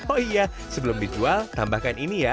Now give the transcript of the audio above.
oh iya sebelum dijual tambahkan ini ya